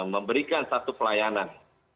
memberikan satu pelayanan